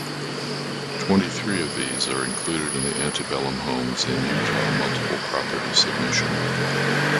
Twenty-three of these are included in the Antebellum Homes in Eutaw multiple property submission.